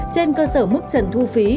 trên cơ sở mức trần thu phí